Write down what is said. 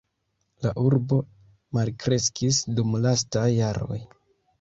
La urbo malkreskis dum lastaj jaroj.